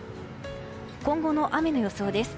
今後の雨の予想です。